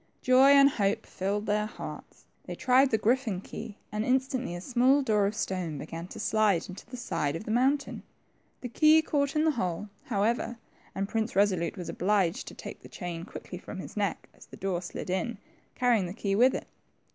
Joy and hope filled their hearts ; they tried the griffin key, and instantly a small door of stone began lo slide into the side of the mountain. The key caught in the hole, however, and Prince Eesolute was obliged to take the chain quickly from his neck as the door slid in, carrying the key with it.